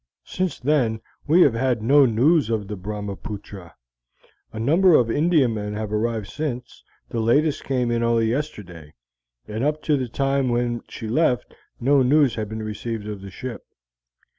Since then we have had no news of the Brahmapootra. A number of Indiamen have arrived since; the latest came in only yesterday, and up to the time when she left no news had been received of the ship.